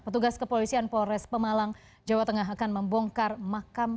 petugas kepolisian polres pemalang jawa tengah akan membongkar makam